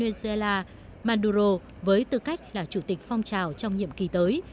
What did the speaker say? venezuela manduro với tư cách là chủ tịch phong trào trong nhiệm kỳ tới